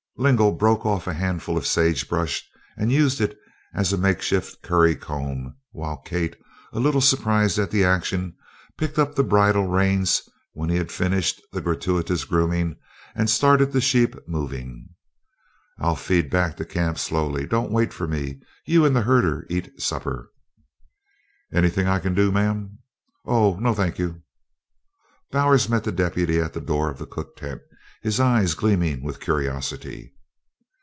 Lingle broke off a handful of sagebrush and used it as a makeshift currycomb, while Kate, a little surprised at the action, picked up the bridle reins when he had finished the gratuitous grooming and started the sheep moving. "I'll feed back to camp slowly. Don't wait for me you and the herder eat supper." "Anything I can do, ma'am?" "Oh, no, thank you." Bowers met the deputy at the door of the cook tent, his eyes gleaming with curiosity.